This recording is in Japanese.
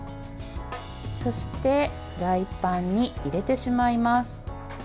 そして、フライパンに入れてしまいます。